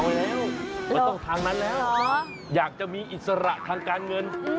แล้วมันต้องทางนั้นแล้วอยากจะมีอิสระทางการเงิน